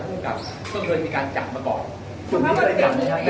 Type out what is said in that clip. ผู้กลับก็เลยมีการจับมาก่อนจุดนี้มันเป็นอย่างหนึ่งนะครับ